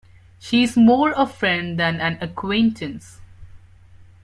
She is more a friend than an acquaintance.